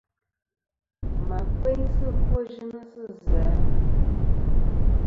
Mà kfeynsɨ ɨfwoyɨnɨ nɨ zɨ-a ?